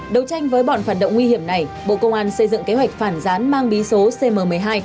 đấu tranh với bọn phản động nguy hiểm này bộ công an xây dựng kế hoạch phản gián mang bí số cm một mươi hai